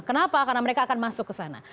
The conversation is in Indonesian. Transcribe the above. kenapa karena mereka akan masuk ke sana